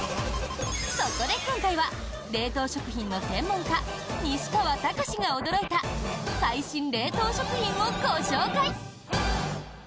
そこで今回は、冷凍食品の専門家西川剛史が驚いた最新冷凍食品をご紹介！